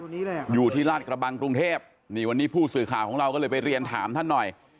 นี่แหละอยู่ที่ราชกระบังกรุงเทพนี่วันนี้ผู้สื่อข่าวของเราก็เลยไปเรียนถามท่านหน่อย